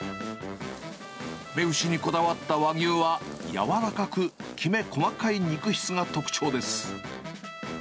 雌牛にこだわった和牛は、柔らかくきめ細かい肉質が特徴です。